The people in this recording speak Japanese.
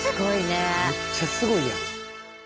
めっちゃすごいやん。